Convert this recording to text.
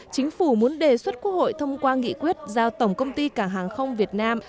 chính phủ muốn đề xuất quốc hội thông qua nghị quyết giao tổng công ty cảng hàng không việt nam